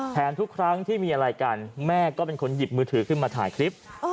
ทุกครั้งที่มีอะไรกันแม่ก็เป็นคนหยิบมือถือขึ้นมาถ่ายคลิป